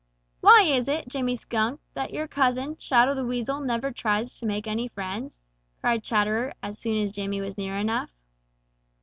"Why is it, Jimmy Skunk, that your cousin, Shadow the Weasel, never tries to make any friends?" cried Chatterer, as soon as Jimmy was near enough.